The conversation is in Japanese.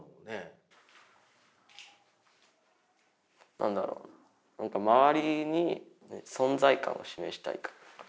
何だろう周りに存在感を示したいから？